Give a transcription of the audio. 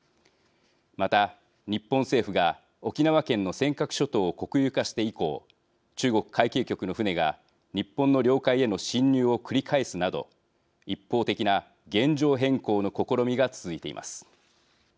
また、日本政府が沖縄県の尖閣諸島を国有化して以降中国海警局の船が日本の領海への侵入を繰り返すなど一方的な現状変更の試みが続いています。